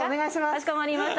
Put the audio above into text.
かしこまりました。